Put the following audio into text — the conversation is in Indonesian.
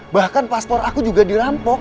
bahkan paspor aku juga dirampok